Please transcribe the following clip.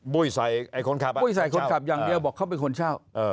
บุยใส่คนขับอย่างเดียวบอกเขาเป็นคนเช่า